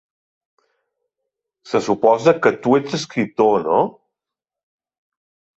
Se suposa que tu ets escriptor, no?